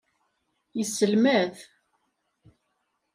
Yesselmad.